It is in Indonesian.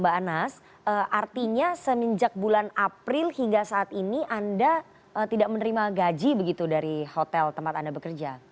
mbak anas artinya semenjak bulan april hingga saat ini anda tidak menerima gaji begitu dari hotel tempat anda bekerja